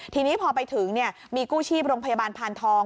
ทีนี้พอไปถึงมีกู้ชีพโรงพยาบาลพานทอง